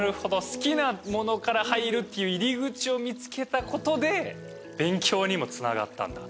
好きなものから入るっていう入り口を見つけたことで勉強にもつながったんだ？